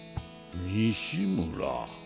西村。